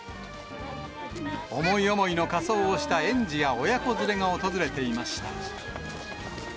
思い思いの仮装をした園児や親子連れが訪れていました。